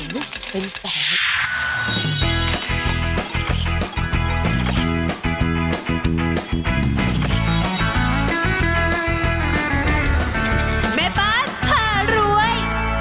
เมลเบิ้ดาทะรวย